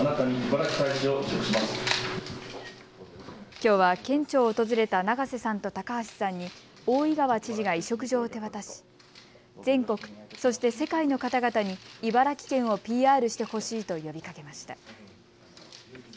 きょうは県庁を訪れた永瀬さんと高橋さんに大井川知事が委嘱状を手渡し全国、そして世界の方々に茨城県をＰＲしてほしいと呼びかけました。